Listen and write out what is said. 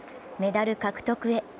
メダル獲得へ。